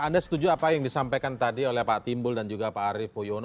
anda setuju apa yang disampaikan tadi oleh pak timbul dan juga pak arief puyono